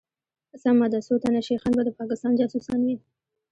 سمه ده څوتنه شيخان به دپاکستان جاسوسان وي